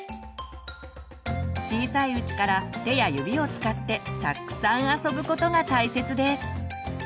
小さいうちから手や指を使ってたっくさん遊ぶことが大切です。